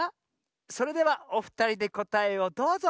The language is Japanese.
それではおふたりでこたえをどうぞ。